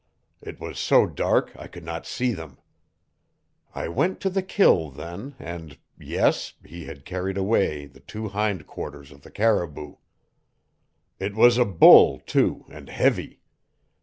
It was so dark I could not see them. I went to the kill then, and yes, he had carried away the two hind quarters of the caribou. It was a bull, too, and heavy.